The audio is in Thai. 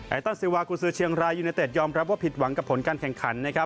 แอดตันซิวากูซู่เชียงรายยูนิเต็ดยอมรับว่าผิดหวังกับผลการเคร่งขัน